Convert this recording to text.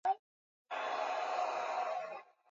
Kidude hicho ni chake.